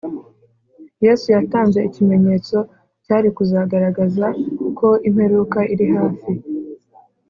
Yesu yatanze ‘ikimenyetso’ cyari kuzagaragaza ko imperuka iri hafi